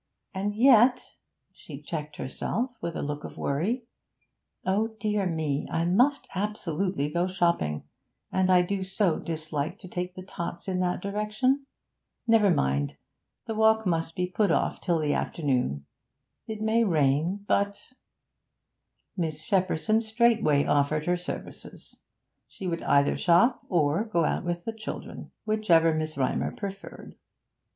And yet' she checked herself, with a look of worry 'oh, dear me! I must absolutely go shopping, and I do so dislike to take the tots in that direction. Never mind; the walk must be put off till the afternoon. It may rain; but ' Miss Shepperson straightway offered her services; she would either shop or go out with the children, whichever Mrs. Rymer preferred.